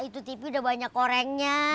itu tv udah banyak orangnya